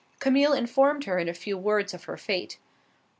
Camille informed her in a few words of her fate.